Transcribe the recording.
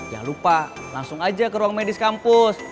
jangan lupa langsung aja ke ruang medis kampus